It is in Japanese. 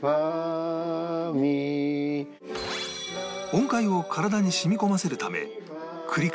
音階を体に染み込ませるためさらに